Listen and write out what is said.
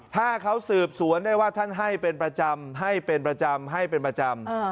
ถ้าเขาสืบสวนได้ว่าท่านให้เป็นประจำให้เป็นประจำให้เป็นประจำ